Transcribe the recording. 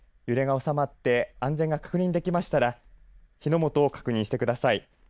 揺れが収まって安全が確認できましたら火の元を確認してください。